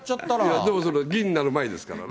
でもそれ、議員になる前ですからね。